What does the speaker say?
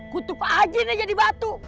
kutup aja nih jadi batu